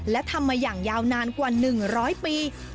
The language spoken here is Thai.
และทำมาอย่างยาวนานกว่าหนึ่งร้อยปี